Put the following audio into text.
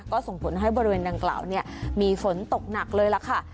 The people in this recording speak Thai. ก็ส่งผลให้บริเวณดังกล่าวมีฝนตกหนักเลยล่ะค่ะ